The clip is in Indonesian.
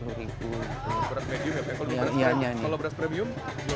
kalau beras premium